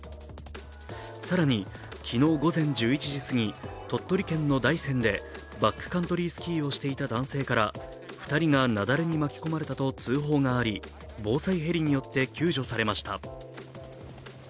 更に、昨日午前１１時すぎ鳥取県の大山でバックカントリースキーをしていた男性から２人が雪崩に巻き込まれたと通報があり防災ヘリによって救助されました。